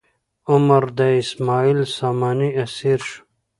عمر د اسماعیل ساماني اسیر شو.